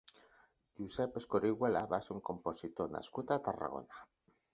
Josep Escorihuela va ser un compositor nascut a Tarragona.